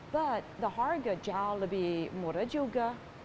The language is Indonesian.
that the harga jauh lebih murah juga